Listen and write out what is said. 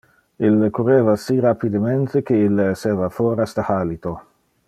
Ille curreva si rapidemente que ille esseva foras de halito.